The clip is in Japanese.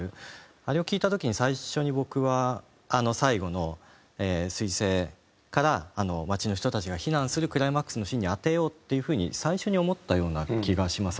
あれを聴いた時に最初に僕は最後の彗星から街の人たちが避難するクライマックスのシーンに当てようっていう風に最初に思ったような気がします。